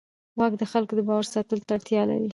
واک د خلکو د باور ساتلو ته اړتیا لري.